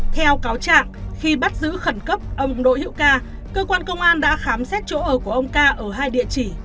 theo cáo trạng khi bắt giữ khẩn cấp ông đỗ hữu ca cơ quan công an đã khám xét chỗ ở của ông ca ở hai địa chỉ